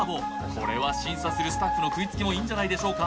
これは審査するスタッフの食いつきもいいんじゃないでしょうか